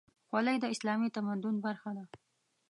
خولۍ د اسلامي تمدن برخه ده.